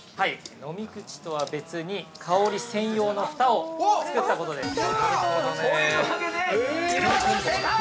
◆飲み口とは別に、香り専用のふたを作ったことです。